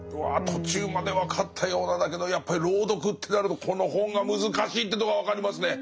途中まで分かったようなだけどやっぱり朗読ってなるとこの本が難しいってとこが分かりますね。